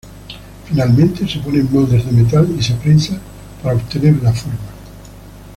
Finalmente se pone en moldes de metal y se prensa para obtener la forma.